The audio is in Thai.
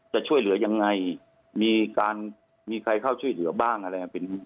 จะช่วยเหลือยังไงมีการมีใครเข้าช่วยเหลือบ้างอะไร